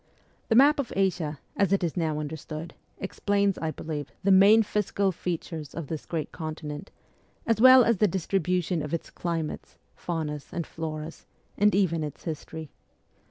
The map of Asia, as it is now understood, explains, I believe, the main physical features of the great continent, as well as the distri bution of its climates, faunas, and floras, and even its history.